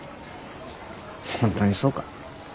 本当にそうか？